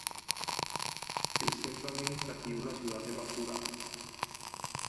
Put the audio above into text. El centro administrativo es la ciudad de Mathura.